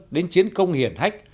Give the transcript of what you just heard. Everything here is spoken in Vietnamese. đến chiến công hiển hách